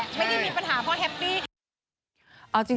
ไม่ได้มีปัญหาเพราะแฮปปี้ค่ะ